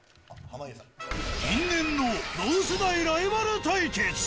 因縁の同世代ライバル対決。